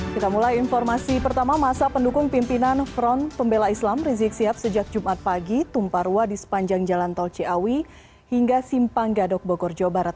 kita mulai informasi pertama masa pendukung pimpinan front pembela islam rizik sihab sejak jumat pagi tumparwa di sepanjang jalan tol ciawi hingga simpang gadok bogor jawa barat